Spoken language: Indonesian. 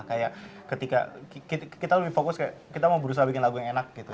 kayak ketika kita lebih fokus kayak kita mau berusaha bikin lagu yang enak gitu